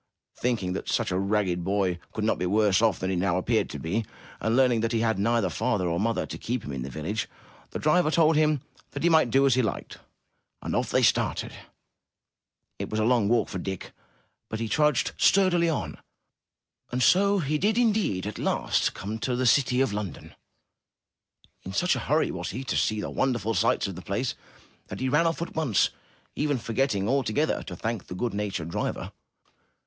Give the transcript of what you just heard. Thinking that such a ragged boy could not be worse off than he now appeared to be, and learning that he had neither father nor mother to keep him in the village, the driver told him that he might do as he liked. And off they started. It was a long walk for Dick, but he trudged sturdily on, and so he did indeed come at last to the city of London. In such a hurry was he to see the won derful sights of the place, that he ran off at once even forgetting altogether to thank the good natured driver.